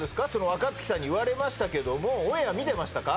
若槻さんに言われましたけどもオンエア見てましたか？